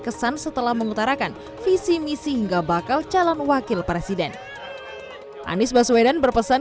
kesan setelah mengutarakan visi misi hingga bakal calon wakil presiden anies baswedan berpesan